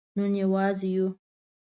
نن یوازې یو